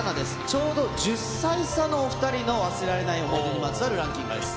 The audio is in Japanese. ちょうど１０歳差のお２人の忘れられない思い出にまつわるランキングです。